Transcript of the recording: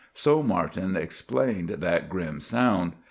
So Martin explained that grim sound.